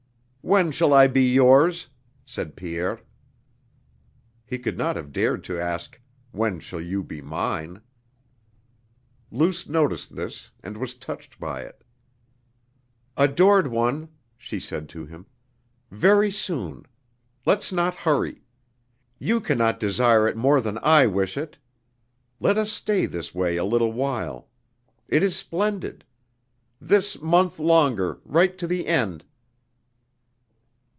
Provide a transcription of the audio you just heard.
"When shall I be yours?" said Pierre. (He could not have dared to ask: "When shall you be mine?") Luce noticed this and was touched by it. "Adored one," she said to him," ... very soon! Let's not hurry. You can not desire it more than I wish it!... Let us stay this way a little while.... It is splendid!... This month longer, right to the end!..."